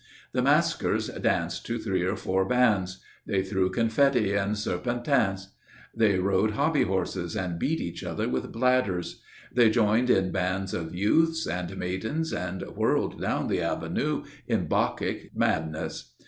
The masquers danced to three or four bands. They threw confetti and serpentins. They rode hobby horses and beat each other with bladders. They joined in bands of youths and maidens and whirled down the Avenue in Bacchic madness.